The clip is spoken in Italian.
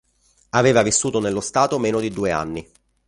Aveva vissuto nello Stato meno di due anni.